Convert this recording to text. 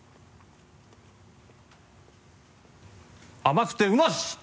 甘くてうまし！